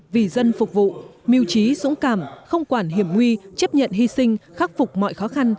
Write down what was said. vì dân phục vụ miêu trí dũng cảm không quản hiểm nguy chấp nhận hy sinh khắc phục mọi khó khăn